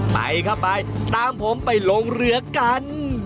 ไปเข้าไปตามผมไปลงเรือกัน